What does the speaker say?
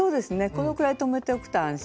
このくらい留めておくと安心で。